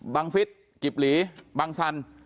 บางฟิสกรีบหลีบางสัน